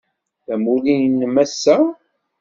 D amulli-nnem ass-a?